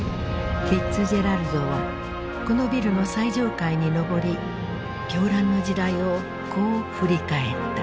フィッツジェラルドはこのビルの最上階に上り狂乱の時代をこう振り返った。